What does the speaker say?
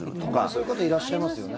そういう方いらっしゃいますよね。